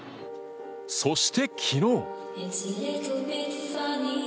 そして、昨日。